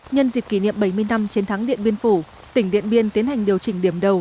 nhân dịp kỷ niệm bảy mươi năm chiến thắng điện biên phủ tỉnh điện biên tiến hành điều chỉnh điểm đầu